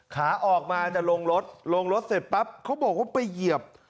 ขาออกมาจะลงรถลงรถเสร็จปั๊บเขาบอกว่าไปเหยียบ